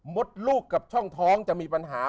มดลูกกับช่องท้องจะมีปัญหา